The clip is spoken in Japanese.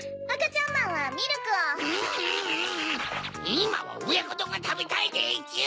いまはおやこどんがたべたいでちゅ！